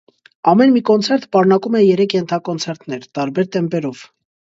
Ամեն մի կոնցերտ պարունակում է երեք ենթակոնցերտներ, տարբեր տեմպերով։